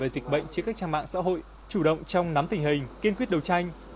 dịch bệnh trên các trang mạng xã hội chủ động trong nắm tình hình kiên quyết đấu tranh